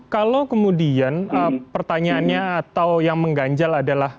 kalau kemudian pertanyaannya atau yang mengganjal adalah